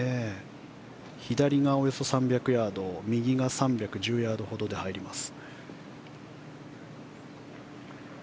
左がおよそ３００ヤード右が３１０ヤードほどで入ります。